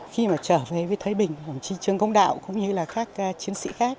khi mà trở về với thới bình đồng chí trương công đạo cũng như là các chiến sĩ khác